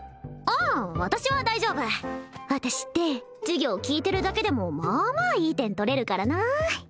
あ私は大丈夫私って授業聞いてるだけでもまあまあいい点取れるからなあ